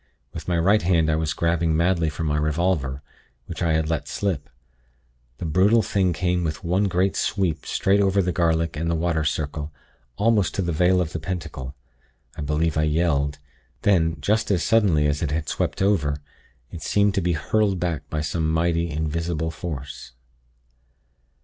With my right hand I was grabbing madly for my revolver, which I had let slip. The brutal thing came with one great sweep straight over the garlic and the 'water circle,' almost to the vale of the pentacle. I believe I yelled. Then, just as suddenly as it had swept over, it seemed to be hurled back by some mighty, invisible force.